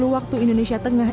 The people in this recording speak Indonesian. waktu indonesia tengah